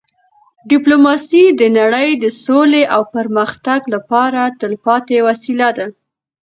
ډيپلوماسي د نړی د سولې او پرمختګ لپاره تلپاتې وسیله ده.